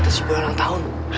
ternyata sepuluh orang tau